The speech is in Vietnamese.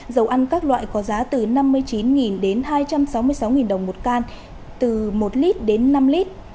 dầu ăn các loại có giá từ năm mươi chín đến hai trăm sáu mươi sáu đồng một can từ một lít đến năm lít